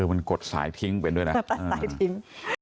มันกดสายทิ้งไปด้วยนะสายทิ้ง